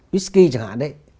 whiskey chẳng hạn đấy